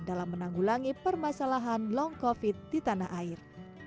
dalam menanggulangi permasalahan long covid di tanah air